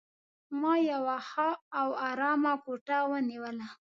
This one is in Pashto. ما یوه ښه او آرامه کوټه ونیول.